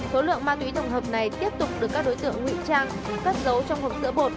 số lượng ma túy tổng hợp này tiếp tục được các đối tượng ngụy trang cất giấu trong hộp sữa bột